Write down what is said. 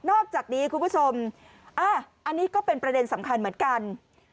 อกจากนี้คุณผู้ชมอันนี้ก็เป็นประเด็นสำคัญเหมือนกัน